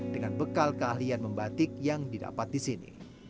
dengan bekal keahlian membatik yang didapat di sini